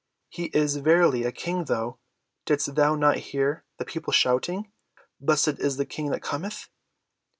"He is verily a King though. Didst thou not hear the people shouting, 'Blessed is the King that cometh!